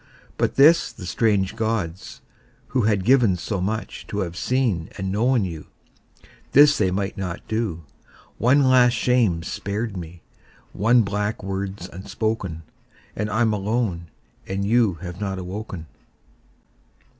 But this the strange gods, who had given so much, To have seen and known you, this they might not do. One last shame's spared me, one black word's unspoken; And I'm alone; and you have not awoken.